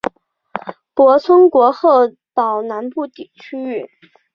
泊村国后岛南部区域。